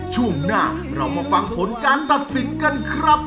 ช่วงหน้าเรามาฟังผลการตัดสินกันครับ